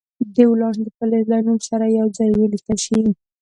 دا ولانس د فلز له نوم سره یو ځای ولیکل شي.